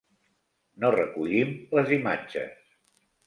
No recollim les imatges.